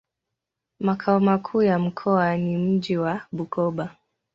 Makao makuu ya mkoa ni mji wa Bukoba.